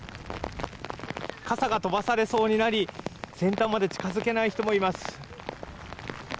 傘が飛ばされそうになり先端まで近づけない人もいます。